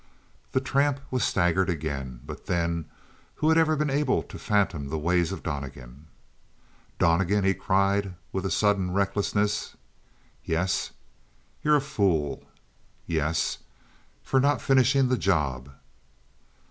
The tramp was staggered again. But then, who had ever been able to fathom the ways of Donnegan? "Donnegan!" he cried with a sudden recklessness. "Yes?" "You're a fool!" "Yes?" "For not finishing the job."